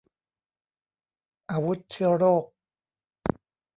อาวุธเชื้อโรค